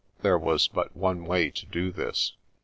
There was but one way to do this.